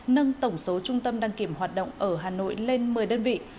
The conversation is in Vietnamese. nâng tổng số trung tâm đăng kiểm hoạt động ở hà nội lên một mươi đơn vị